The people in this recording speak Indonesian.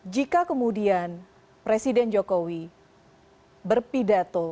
jika kemudian presiden jokowi berpidato